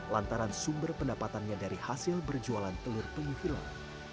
lantaran sumber pendapatannya dari hasil berjualan telur penyu hilang